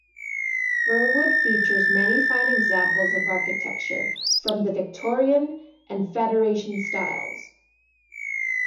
Burwood features many fine examples of architecture from the Victorian and Federation styles.